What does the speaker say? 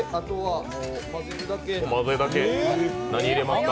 何入れますか？